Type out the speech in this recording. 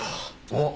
あっ！